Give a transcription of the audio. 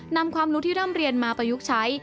นำความรู้ที่ร่ำเรียนมาประยุกต์ใช้